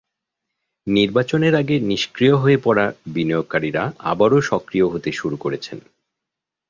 নির্বাচনের আগে নিষ্ক্রিয় হয়ে পড়া বিনিয়োগকারীরা আবারও সক্রিয় হতে শুরু করেছেন।